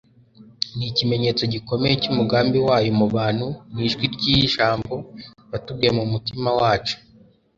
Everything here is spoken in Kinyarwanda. ni ikimenyetso gikomeye cy'umugambi wayo mu bantu, ni ijwi ry'ijambo yatubwiye mu mutima wacu